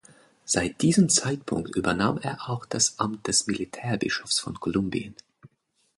Seit diesem Zeitpunkt übernahm er auch das Amt des Militärbischofs von Kolumbien.